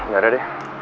gak ada deh